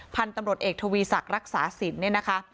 พันธุ์ตำรวจเอกทวีศักดิ์รักษาสินเนี่ยนะคะ